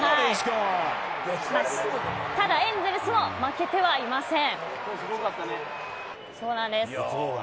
ただエンゼルスも負けてはいません。